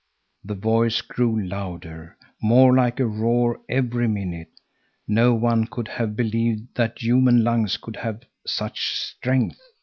The voice grew louder, more like a roar every minute. No one could have believed that human lungs could have such strength.